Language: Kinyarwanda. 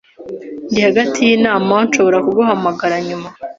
Ndi hagati yinama. Nshobora kuguhamagara nyuma?